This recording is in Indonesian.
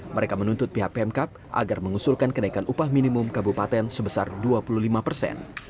mereka menuntut pihak pemkap agar mengusulkan kenaikan upah minimum kabupaten sebesar dua puluh lima persen